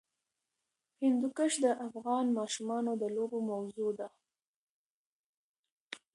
هندوکش د افغان ماشومانو د لوبو موضوع ده.